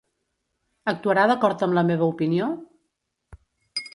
Actuarà d'acord amb la meva opinió?